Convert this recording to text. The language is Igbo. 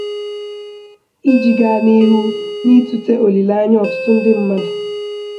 iji gaa n'ihu n'itute olileanya ọtụtụ ndị mmadụ